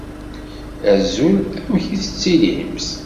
Azul, amek i tettilimt?